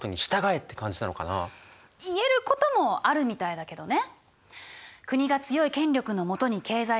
言えることもあるみたいだけどね。